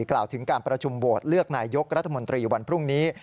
กล่าวถึงการประชุมโหวตเลือกนายยกรัฐมนตรีวันพรุ่งนี้